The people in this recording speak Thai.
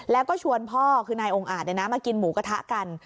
แล้วก็ชวนพ่อคือนายองค์อาจมากินหมูกระทะกัน